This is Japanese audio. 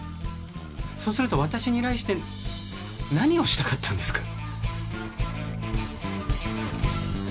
そうすると私に依頼して何をしたかったんですか？